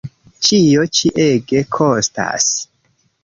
Ĉio ĉi ege kostas.